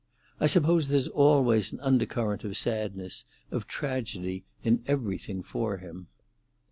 I suppose there's always an undercurrent of sadness—of tragedy—in everything for him."